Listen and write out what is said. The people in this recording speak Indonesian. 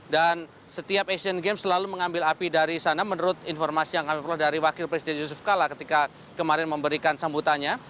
dan setiap asian games selalu mengambil api dari sana menurut informasi yang kami perlukan dari wakil presiden yusuf kala ketika kemarin memberikan sambutannya